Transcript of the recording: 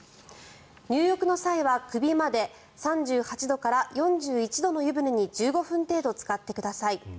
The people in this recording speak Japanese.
入浴の際は首まで３８度から４１度の湯船に１５分程度つかってください。